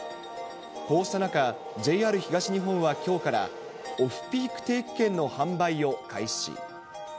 こうした中、ＪＲ東日本はきょうからオフピーク定期券の販売を開始。